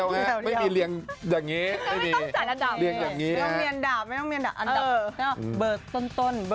ยกให้เป็นอันดับหนึ่งหมดเลยนะฮะนะฮะจริง